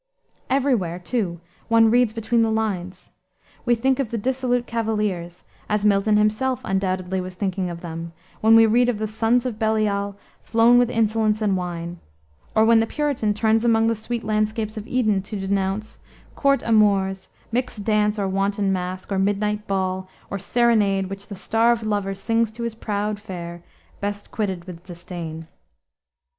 Every where, too, one reads between the lines. We think of the dissolute cavaliers, as Milton himself undoubtedly was thinking of them, when we read of "the sons of Belial flown with insolence and wine," or when the Puritan turns among the sweet landscapes of Eden, to denounce "court amours Mixed dance, or wanton mask, or midnight ball, Or serenade which the starved lover sings To his proud fair, best quitted with disdain."